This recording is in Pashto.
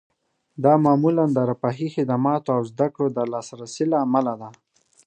دا معمولاً د رفاهي خدماتو او زده کړو د لاسرسي له امله ده